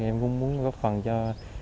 em cũng muốn góp phần cho